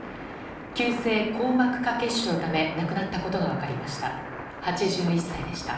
急性硬膜下血腫のため亡くなったことが分かりました。